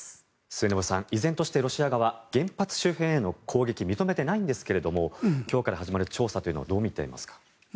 末延さん、依然としてロシア側、原発周辺への攻撃を認めていないんですけども今日から始まる調査というのをどう見ていますか？